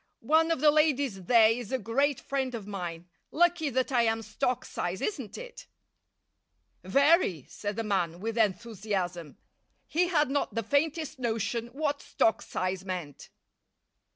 One of the ladies there is a great friend of mine. Lucky that I am stock size, isn't it?" "Very," said the man, with enthusiasm. He had not the faintest notion what stock size meant.